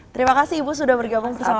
terima kasih ibu sudah bergabung bersama kami